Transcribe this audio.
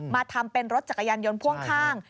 มาทำเป็นรถจักรยานยนต์พ่วงข้าง